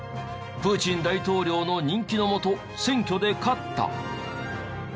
プーチン大統領の人気の下選挙で勝った。